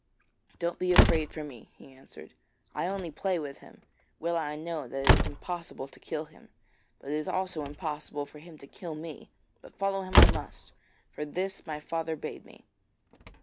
'Don't be afraid for me,' he answered; 'I only play with him. Well I know that it is impossible to kill him, but it is also impossible for him to kill me; but follow him I must, for this my father bade me.'